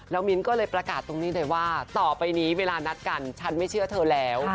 แล้วมิ้นก็เลยประกาศตรงนี้เลยว่าต่อไปนี้เวลานัดกันฉันไม่เชื่อเธอแล้ว